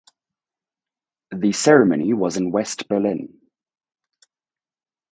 The ceremony was in West Berlin.